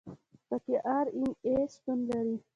پکې آر این اې شتون لري.